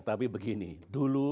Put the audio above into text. tapi begini dulu